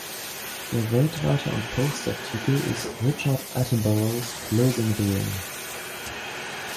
Der weltweite und Poster-Titel ist "Richard Attenborough’s Closing the Ring".